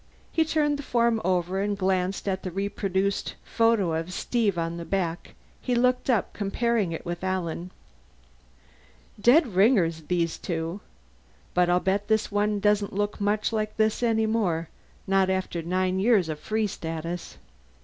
He turned the form over and glanced at the reproduced photo of Steve on the back. He looked up, comparing it with Alan. "Dead ringers, these two. But I'll bet this one doesn't look much like this any more not after nine years of Free Status!"